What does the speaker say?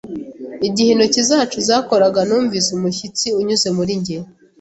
Igihe intoki zacu zakoraga, numvise umushyitsi unyuze muri njye.